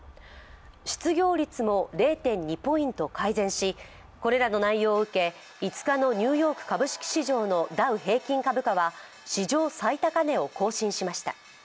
失業率も０．２ポイント改善し、これらの内容を受け、５日のニューヨーク株式市場のダウ平均株価は史上最高値を更新しました。